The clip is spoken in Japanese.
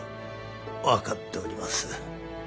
分かっております。